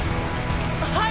はい！